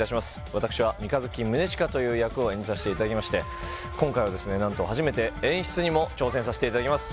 私は三日月宗近という役を演じさせていただきまして今回はですね何と初めて演出にも挑戦させていただきます